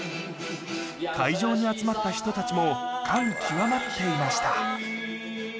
会場に集まった人たちも感極まっていました